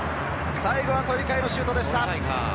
最後は鳥海のシュートでした。